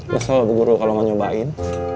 kesel bu guru kalo mau nyobain